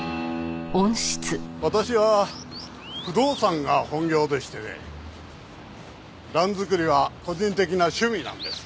私は不動産が本業でしてね蘭作りは個人的な趣味なんです。